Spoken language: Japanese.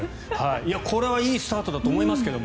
これはいいスタートだと思いますけど。